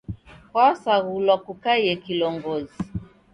Kwasaghulwa kukaie kilongozi